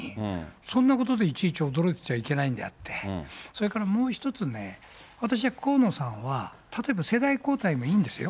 そんなことでいちいち驚いてたらいけないんであって、それからもう一つね、私は河野さんは、例えば、世代交代もいいんですよ。